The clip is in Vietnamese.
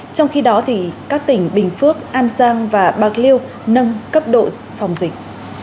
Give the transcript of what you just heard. trong khi đó các tỉnh bình phước an giang và bạc liêu nâng cấp độ phòng dịch